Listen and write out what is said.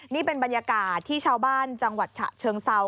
นี่เป็นบรรยากาศที่ชาวบ้านจังหวัดฉะเชิงเซา